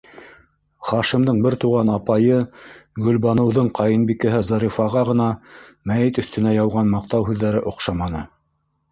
Хашимдың бер туған апайы, Гөлбаныуҙың ҡайынбикәһе Зарифаға ғына мәйет өҫтөнә яуған маҡтау һүҙҙәре оҡшаманы: